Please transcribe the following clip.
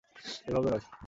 এভাবে নয়!